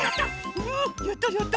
うやったやった！